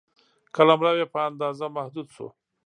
قلمرو یې په اندازه محدود شو.